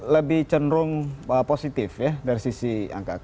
lebih cenderung positif ya dari sisi angka